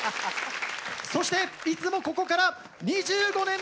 そしていつもここから２５年目の貫禄！